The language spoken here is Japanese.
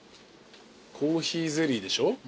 コーヒーゼリーでしょ。